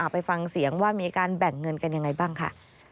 ไปฟังเสียงว่ามีการแบ่งเงินกันยังไงบ้างค่ะ